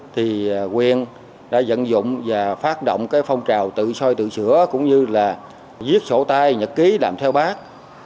thì huyện đã dẫn dụng và phát động phong trào tự soi tự sửa cũng như là viết sổ tai nhật ký làm theo bác